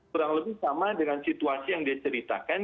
kurang lebih sama dengan situasi yang dia ceritakan